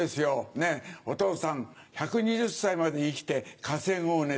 「ねぇお父さん１２０歳まで生きて稼ごうね」